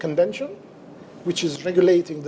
konvensi yang berkaitan